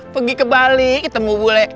pergi ke bali ketemu bule